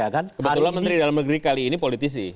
kebetulan menteri dalam negeri kali ini politisi